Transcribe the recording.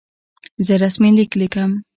زه رسمي لیک لیکم.